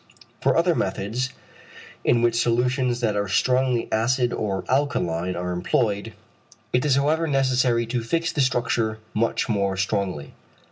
For other methods, in which solutions that are strongly acid or alkaline are employed, it is however necessary to fix the structure much more strongly.